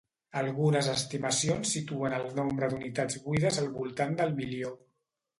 Algunes estimacions situen el nombre d'unitats buides al voltant del milió.